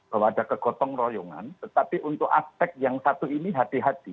bahwa ada kegotong royongan tetapi untuk aspek yang satu ini hati hati